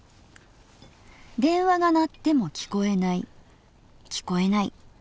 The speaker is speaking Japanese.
電話が鳴ってもきこえないきこえない。